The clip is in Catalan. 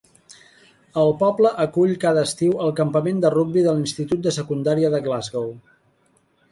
El poble acull cada estiu el campament de rugbi de l'institut de secundària de Glasgow.